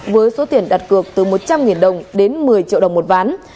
với số tiền đặt cược từ một trăm linh đồng đến một mươi triệu đồng một ván